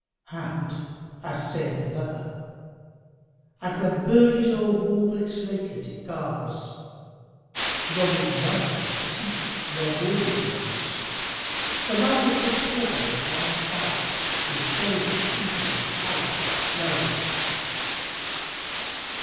And as saith another, "And when birdies o'er warble its lakelet, it gars * Longing[FN#7] lover to seek it where morning glows; For likest to Paradise lie its banks * With shade and fruitage and fount that flows."